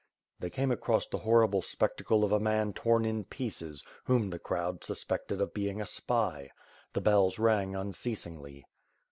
They came across the horrible spectacle of a man torn in pieces, whom the crowd suspected of being a spy. The bells rang unceasingly.